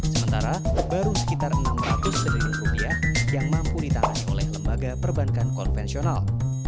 sementara baru sekitar rp enam ratus triliun yang mampu ditahan oleh lembaga perbankan konvensional